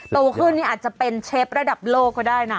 โตขึ้นนี่อาจจะเป็นเชฟระดับโลกก็ได้นะ